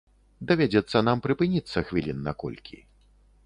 Давядзецца нам прыпыніцца хвілін на колькі.